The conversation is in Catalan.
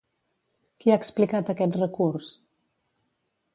Qui ha explicat aquest recurs?